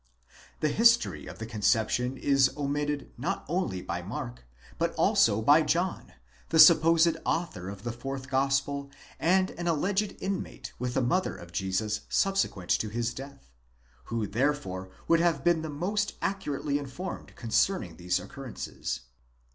The history of the conception is omitted not only by Mark, but also by John, the supposed author of the fourth Gospel and an alleged inmate with the mother of Jesus subsequent to his death, who therefore would have been the most accurately informed concerning these occurrences.